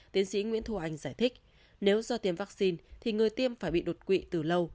tiến sĩ nguyễn thu anh giải thích nếu do tiêm vaccine thì người tiêm phải bị đột quỵ từ lâu